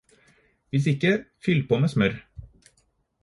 Hvis ikke, fyll på med smør.